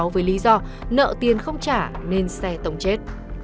với lý do nợ tiền không trả nên xe tổng chết